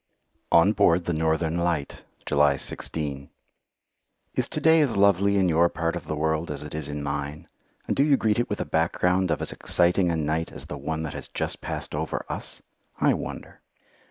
On board the Northern Light July 16 Is to day as lovely in your part of the world as it is in mine, and do you greet it with a background of as exciting a night as the one that has just passed over us? I wonder.